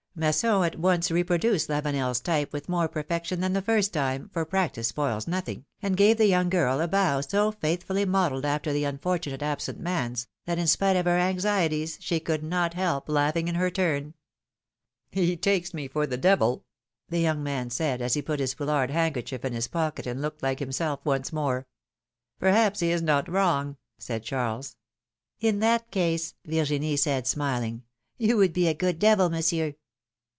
Masson at once reproduced LaveneFs type with more perfection than the first time, for practice spoils nothing, and gave the young girl a bow so faithfully modelled after the unfortunate absent man's, that, in spite of her anxieties, she could not help laughing in her turn. He takes me for the devil !" the young man said as he put his foulard handkerchief in his pocket and looked like himself once more. Perhaps he is not wrong," said Charles. 164 philomene's maeriages. ^^Iii that case/^ Virginie said, smiling, ^^you would be a good devil, Monsieur.